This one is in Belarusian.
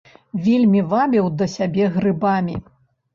Вельмі вабіў да сябе грыбамі.